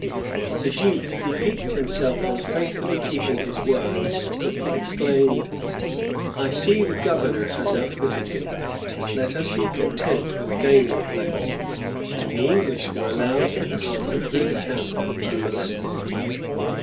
The duke, who piqued himself on faithfully keeping his word exclaimed, "I see the governor has outwitted me: but let us be content with gaining the place." And the English were allowed to pass through the camp unmolested.